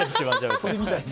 鳥みたいに。